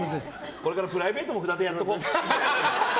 これからプライベートも札でやっていこう。